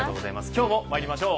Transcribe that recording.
今日もまいりましょう。